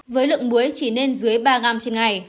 với lượng muối chỉ nên dưới ba gram trên ngày